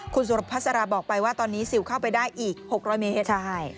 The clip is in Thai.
คุณสุรพัสราบอกไปว่าตอนนี้ซิลเข้าไปได้อีก๖๐๐เมตรใช่